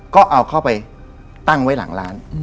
ก็เอาเข้าไปตั้งไว้หลังร้าน